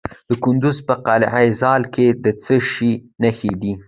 د کندز په قلعه ذال کې د څه شي نښې دي؟